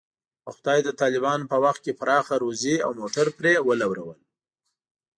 خدای په طالبانو په وخت کې پراخه روزي او موټر پرې ولورول.